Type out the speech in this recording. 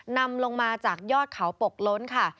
นำลงมาจากยอดเขาปกล้นค่ะ